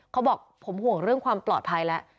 เขาบอกผมห่วงเรื่องความปลอดภัยแล้ว